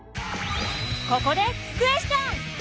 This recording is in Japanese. ここでクエスチョン！